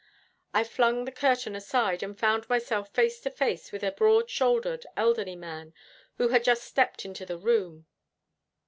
I flung the curtain aside and found myself face to face with a broad shouldered elderly man, who had just stepped into the room.